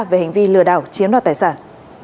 về hành vi lừa đảo chiếm đoạt tài sản